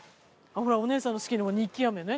ほらお姉さんの好きなニッキアメね。